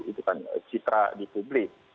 itu kan citra di publik